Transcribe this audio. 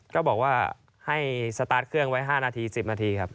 ก็บอกว่าให้สตาร์ทเครื่องไว้๕นาที๑๐นาทีครับ